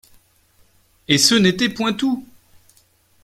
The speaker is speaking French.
Et ce n’était point tout.